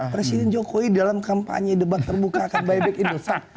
presiden jokowi dalam kampanye debat terbuka akan bayi bek indosat